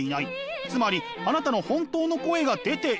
つまりあなたの本当の声が出ていない。